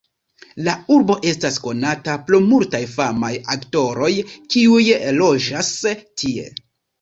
La urbo estas konata pro multaj famaj aktoroj, kiuj loĝas tie.